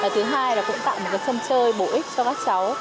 thứ hai là cũng tạo một cái châm chơi bổ ích cho các cháu